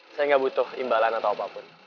saya nggak butuh imbalan atau apapun